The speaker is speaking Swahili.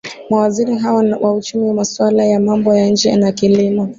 mawaziri hawa wa uchumi masuala ya mambo ya nje na kilimo